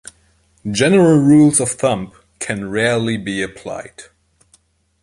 General rules of thumb can rarely be applied.